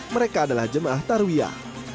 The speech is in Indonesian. mereka adalah jemaah tarwiyah